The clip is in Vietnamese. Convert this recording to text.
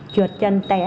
trượt chân té